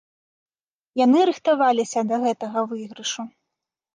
Яны рыхтаваліся да гэтага выйгрышу.